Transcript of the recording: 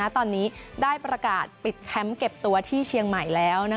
ตอนนี้ได้ประกาศปิดแคมป์เก็บตัวที่เชียงใหม่แล้ว